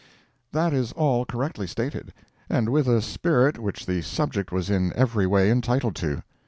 That is all correctly stated, and with a spirit which the subject was in every way entitled to.